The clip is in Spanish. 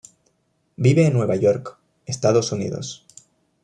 Vive en Nueva York, Estados Unidos.